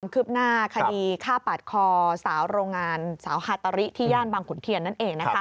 คืบหน้าคดีฆ่าปาดคอสาวโรงงานสาวฮาตาริที่ย่านบางขุนเทียนนั่นเอง